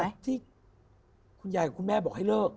ที่คุณยายกับคุณแม่บอกให้เลิก